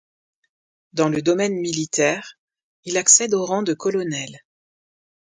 Dans le domaine militaire, il accède au rang de colonel.